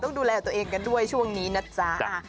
แต่ดูแล้วน่ารักจริง